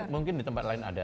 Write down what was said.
mungkin di tempat lain ada